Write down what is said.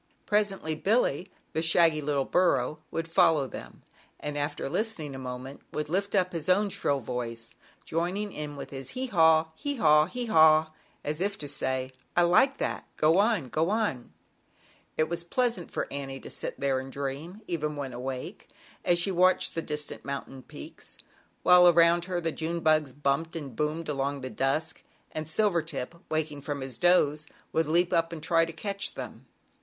Presently Billy, the shaggy little Burro, would follow them, and after listening a moment would lift up his own shrill voice, joining in with his "he haw, he haw, he haw," as if to say, "I like that; go on, o on. ZAUBERLINDA, THE WISE WITCH. 55 It was pleasant for Annie to sit there and dream, even when awake, as she watched the distant mountain peaks, while around her the June bugs bumped and boomed along the dusk, and Silver tip, waking from his doze, would leap up and try to catch them.